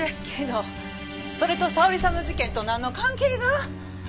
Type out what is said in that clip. けどそれと沙織さんの事件となんの関係が？